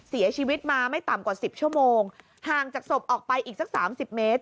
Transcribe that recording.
เสียชีวิตมาไม่ต่ำกว่าสิบชั่วโมงห่างจากศพออกไปอีกสักสามสิบเมตร